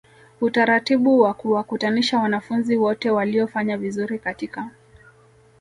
utaratibu wakuwakutanisha wanafunzi wote waliofanya vizuri katika